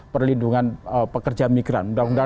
perlindungan pekerja migran undang undang